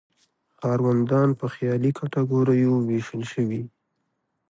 ښاروندان په خیالي کټګوریو ویشل شوي.